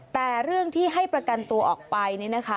แต่เรื่องที่ให้ประกันตัวออกไปนี่นะคะ